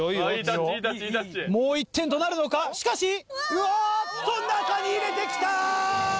うわっと中に入れてきた！